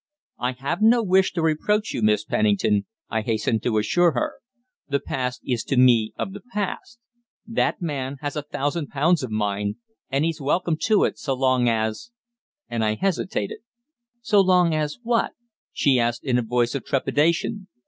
"I have no wish to reproach you, Miss Pennington," I hastened to assure her. "The past is to me of the past. That man has a thousand pounds of mine, and he's welcome to it, so long as " and I hesitated. "So long as what?" she asked in a voice of trepidation.